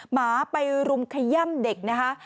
หมาไปรุมขย่ำเด็กนะคะ